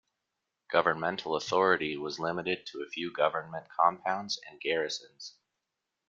Governmental authority was limited to a few government compounds and garrisons.